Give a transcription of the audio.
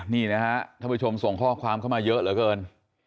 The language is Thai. นี่นะฮะท่านผู้ชมส่งข้อความเข้ามาเยอะเหลือเกิน